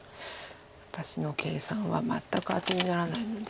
私の計算は全く当てにならないので。